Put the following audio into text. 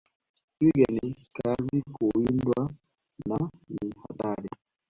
Twiga ni kazi kuwindwa na ni hatari